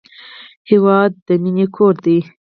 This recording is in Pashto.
هېواد د مینې کور دی.